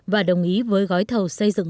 và đồng ý với gói thầu xây dựng